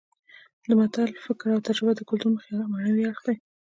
د متل فکر او تجربه د کولتور معنوي اړخ دی